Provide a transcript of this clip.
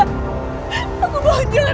aku mohon jangan lakukan ini pak lestri